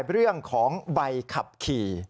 เรื่องของใบขับขี่